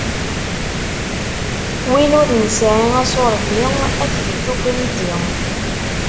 Win ur nesɛi asuṛdi, ad tyečč ukwerdi.